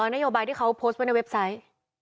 นโยบายที่เขาโพสต์ไว้ในเว็บไซต์